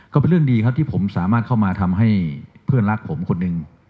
ก็เป็นเรื่องดีครับที่ผมสามารถเข้ามาทำให้เพื่อนรักผมคนหนึ่ง